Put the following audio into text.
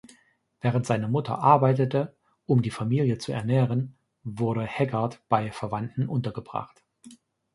Während seine Mutter arbeitete, um die Familie zu ernähren, wurde Haggard bei Verwandten untergebracht.